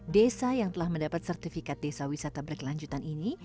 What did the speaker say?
desa yang telah mendapat sertifikat desa wisata berkelanjutan ini